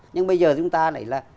nhưng bây giờ chúng ta lại là